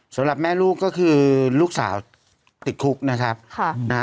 สำหรับแม่ลูกก็คือลูกสาวติดคุกนะครับค่ะนะฮะ